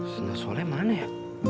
senasoleh mana ya